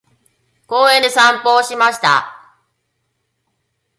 公園で散歩をしました。